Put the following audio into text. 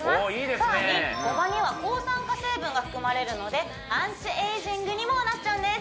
更にごまには抗酸化成分が含まれるのでアンチエイジングにもなっちゃうんです